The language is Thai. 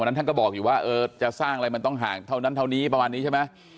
ท่านก็บอกอยู่ว่าจะสร้างอะไรมันต้องห่างเท่านั้นเท่านี้ประมาณนี้ใช่ไหม